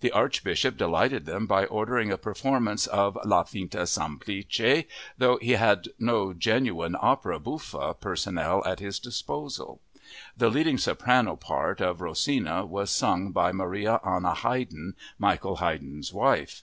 The Archbishop delighted them by ordering a performance of La Finta semplice, though he had no genuine opera buffa personnel at his disposal. The leading soprano part of Rosina was sung by Maria Anna Haydn, Michael Haydn's wife.